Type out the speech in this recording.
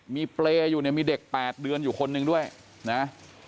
มีเปรย์อยู่เนี่ยมีเด็ก๘เดือนอยู่คนหนึ่งด้วยนะ